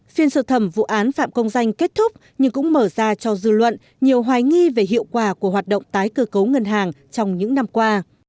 phiên xử thẩm vụ án phạm công danh kết thúc nhưng cũng mở ra cho dư luận nhiều hoài nghi về hiệu quả của hoạt động tái cơ cấu ngân hàng trong những năm qua